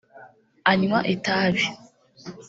anywa itabi